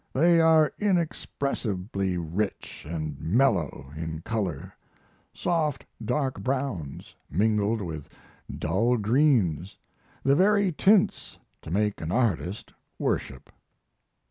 They are inexpressibly rich and mellow in color; soft dark browns mingled with dull greens the very tints to make an artist worship.